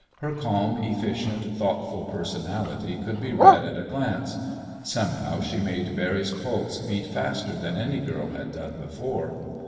Her calm, efficient, thoughtful personality could be read at a glance. Somehow she made Barry's pulse beat faster than any girl had done before.